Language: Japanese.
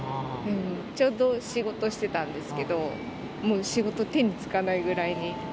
ちょうど仕事してたんですけど、もう仕事、手につかないぐらいに。